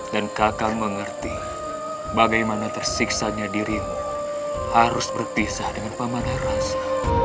dan kakak mengerti bagaimana tersiksanya dirimu harus berpisah dengan pamanah rasa